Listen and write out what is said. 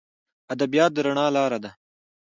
ادبیات د رڼا لار ده.